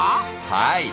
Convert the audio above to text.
はい。